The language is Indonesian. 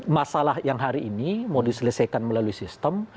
masalah yang hari ini mau diselesaikan melalui sistem